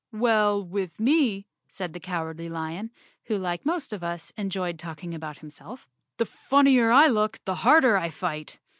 "Well, with me," said the Cowardly Lion, who like most of us enjoyed talking about himself, "the funnier I look, the harder I fight.